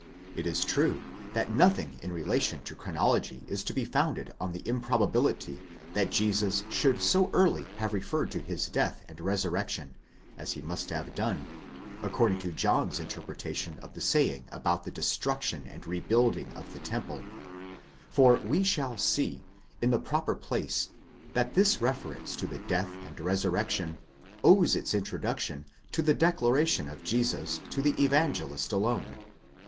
It is true that nothing in relation to chronology is to be founded on the improbability that Jesus should so early have referred to his death and resurrection, as he must have done, according to John's interpretation of the saying about the destruction and rebuilding of the temple : 11 for we shall see, in the proper place, that this reference to the death and resurrection, owes its introduction into the declaration of Jesus to the Evangelist alone.